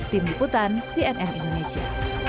pemiputan cnn indonesia